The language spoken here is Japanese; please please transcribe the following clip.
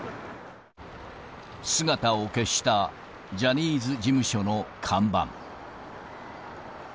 姿を消したジャニーズ事務所の看板。